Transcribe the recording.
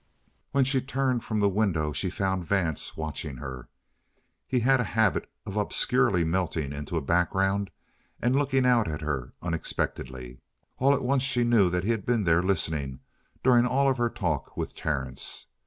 When she turned from the window, she found Vance watching her. He had a habit of obscurely melting into a background and looking out at her unexpectedly. All at once she knew that he had been there listening during all of her talk with Terence.